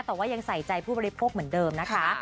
แต่ว่ายังใส่ใจผู้บริโภคเหมือนเดิมนะคะ